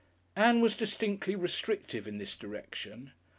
Ann was distinctly restrictive in this direction.